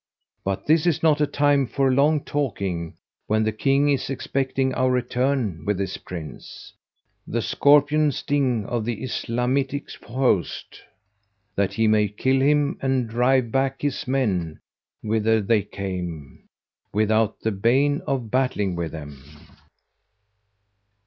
But this is not a time for long talking, when the King is expecting our return with this Prince, the scorpion sting[FN#199] of the Islamitic host, that he may kill him and drive back his men whither they came, without the bane of battling with them."